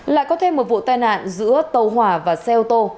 lại có thêm một vụ tai nạn giữa tàu hỏa và xe ô tô